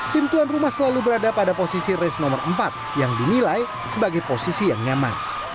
tim tuan rumah selalu berada pada posisi race nomor empat yang dinilai sebagai posisi yang nyaman